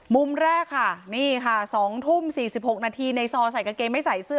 มุมแรกค่ะนี่ค่ะ๒ทุ่ม๔๖นาทีในซอใส่กางเกงไม่ใส่เสื้อ